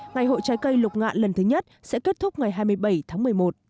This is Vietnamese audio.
ngày hội trái cây lục ngạn lần thứ nhất sẽ kết thúc ngày hai mươi bảy tháng một mươi một